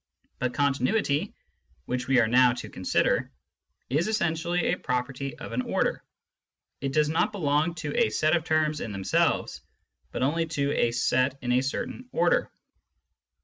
But continuity, which we are now to consider, is essentially a property of an order : it does not belong to a set of terms in themselves, but only to a set in a certain order.